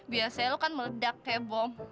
biasanya lo kan meledak kayak bom